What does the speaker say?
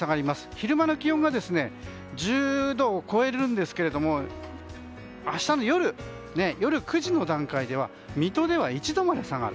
昼間の気温が１０度を超えるんですけども明日の夜９時の段階では水戸では１度まで下がる。